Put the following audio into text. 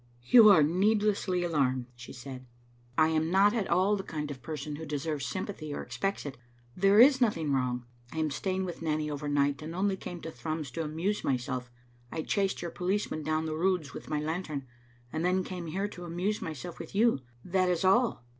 "You are needlessly alarmed," she said; "I am not Digitized by VjOOQ IC m tTbe Xittle Afnf0tct» at all the kind of person who deserves sjrmpathy or ex pects it. There is nothing wrong. I am staying with Nanny over night, and only came to Thrums to amuse myself. I chased your policeman down the Roods with my lantern, and then came here to amuse myself with you. That is all."